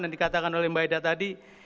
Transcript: dan dikatakan oleh mbak eda tadi